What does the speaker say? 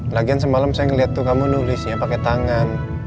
lagian semalam saya ngeliat tuh kamu nulisnya pakai tangan